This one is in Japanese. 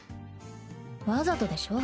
わざとでしょ？